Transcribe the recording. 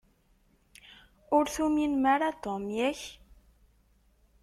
Ur tuminem ara Tom, yak?